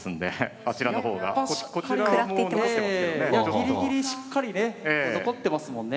ギリギリしっかりね残ってますもんね。